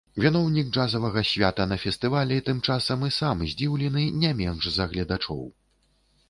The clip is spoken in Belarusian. Віноўнік джазавага свята на фестывалі тым часам і сам здзіўлены не менш за гледачоў.